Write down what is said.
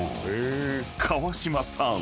［川島さん